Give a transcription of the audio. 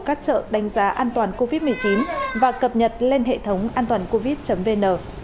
các chợ đánh giá an toàn covid một mươi chín và cập nhật lên hệ thống antoancovid vn